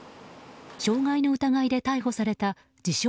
傷害の疑いで逮捕された自称